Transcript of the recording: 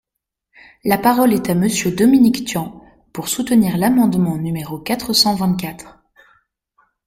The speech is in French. La parole est à Monsieur Dominique Tian, pour soutenir l’amendement numéro quatre cent vingt-quatre.